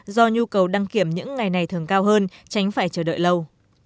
do nhu cầu đăng kiểm những ngày này thường cao hơn tránh phải chờ đợi lâu